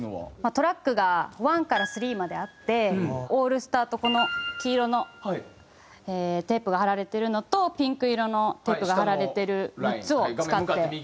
トラックが１から３まであってＡＬＬＳＴＡＲＴこの黄色のテープが貼られてるのとピンク色のテープが貼られてる３つを使って。